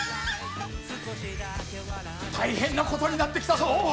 大変なことになってきたぞ。